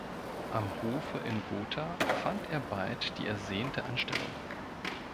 Am Hofe in Gotha fand er bald die ersehnte Anstellung.